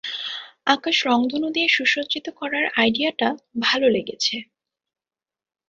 আকাশ রংধনু দিয়ে সুসজ্জিত করার আইডিয়াটা ভালো লেগেছে।